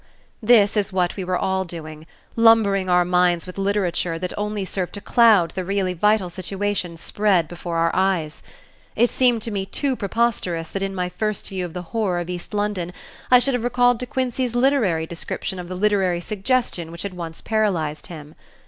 This is what we were all doing, lumbering our minds with literature that only served to cloud the really vital situation spread before our eyes. It seemed to me too preposterous that in my first view of the horror of East London I should have recalled De Quincey's literary description of the literary suggestion which had once paralyzed him.